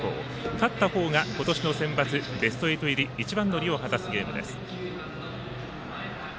勝った方が今年のセンバツ、ベスト８入り一番乗りを果たすゲームです。